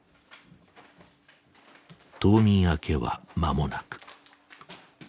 冬眠明けは間もなく。